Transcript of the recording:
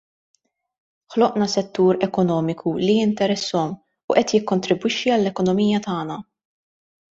Ħloqna settur ekonomiku li jinteressahom u qed jikkontribwixxi għall-ekonomija tagħna.